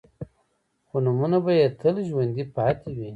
خو نومونه به يې تل ژوندي پاتې وي.